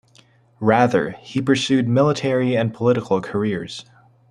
Rather, he pursued military and political careers.